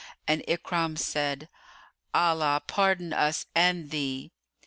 And Ikrimah said, "Allah pardon us and thee!"